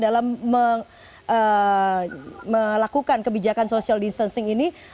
dalam melakukan kebijakan social distancing ini